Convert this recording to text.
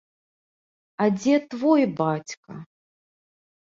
А дзе твой бацька?